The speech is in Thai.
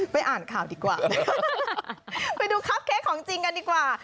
อ่านข่าวดีกว่านะคะไปดูคับเค้กของจริงกันดีกว่า